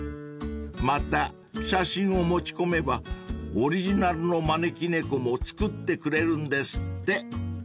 ［また写真を持ち込めばオリジナルの招き猫も作ってくれるんですって］